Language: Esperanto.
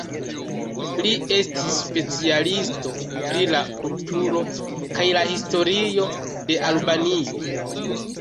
Li estis specialisto pri la kulturo kaj la historio de Albanio.